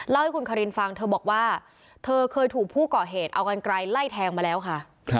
เล่าให้คุณคารินฟังเธอบอกว่าเธอเคยถูกผู้ก่อเหตุเอากันไกลไล่แทงมาแล้วค่ะ